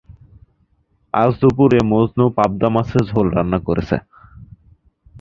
আজ দুপুরে মজনু পাবদা মাছের ঝোল রান্না করেছে।